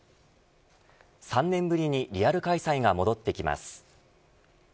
３年ぶりにリアル開催が戻ってきます。